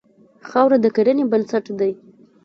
خاوره د کرنې بنسټ دی.